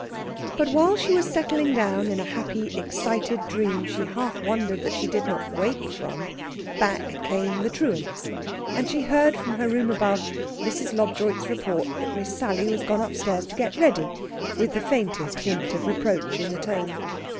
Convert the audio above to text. But while she was settling down, in a happy, excited dream she half wondered that she did not wake from, back came the truants; and she heard from her room above Mrs. Lobjoit's report that Miss Sally was gone upstairs to get ready, with the faintest hint of reproach in the tone.